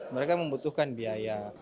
mereka membutuhkan biaya